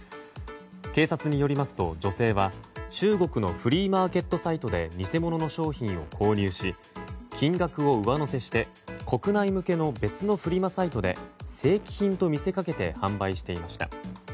警察によりますと女性は中国のフリーマーケットサイトで偽物の商品を購入し金額を上乗せして国内向けの別のフリマサイトで正規品と見せかけて販売していました。